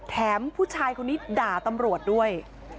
แถมผู้ชายคนนี้ด่าตำรวจด้วย